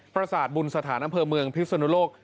ประสาทบุญสถานอำเภอเมืองพิศนุโลก